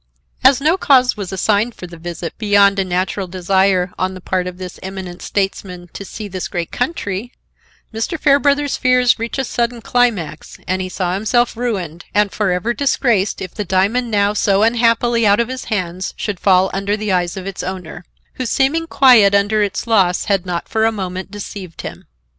As no cause was assigned for the visit beyond a natural desire on the part of this eminent statesman to see this great country, Mr. Fairbrother's fears reached a sudden climax, and he saw himself ruined and for ever disgraced if the diamond now so unhappily out of his hands should fall under the eyes of its owner, whose seeming quiet under its loss had not for a moment deceived him.